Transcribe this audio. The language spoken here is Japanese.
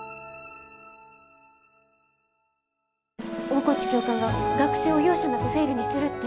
大河内教官が学生を容赦なくフェイルにするって。